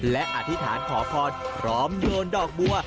และอธิษฐานขอพรพร้อมโยนดอกบัว